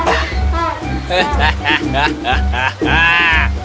dan beratnya bertambah